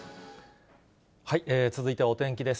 続いてはお天気です。